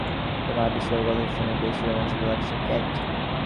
তোমার আবিষ্কারের কথা শুনে বেশ রোমাঞ্চিত লাগছে, ক্যাট।